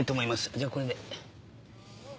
じゃあこれで。